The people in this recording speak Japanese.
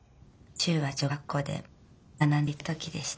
修和女学校で学んでいた時でした。